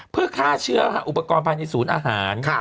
เพื่อฆ่าเชื้ออุปกรณ์ภายในศูนย์อาหาร